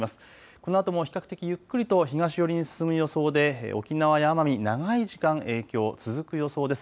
このあとも比較的ゆっくりと東寄りに進む予想で沖縄や奄美、長い時間、影響続く予想です。